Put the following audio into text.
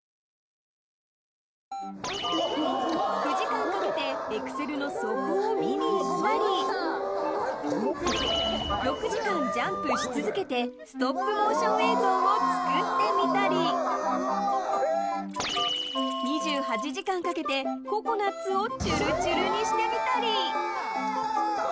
９時間かけてエクセルの底を見に行ったり６時間ジャンプし続けてストップモーション映像を作ってみたり２８時間かけてココナツをちゅるちゅるにしてみたり。